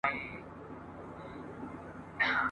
د کښتۍ له منځه پورته واویلا وه ..